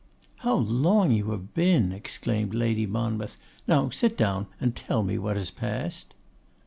'How long you have been!' exclaimed Lady Monmouth. 'Now sit down and tell me what has passed.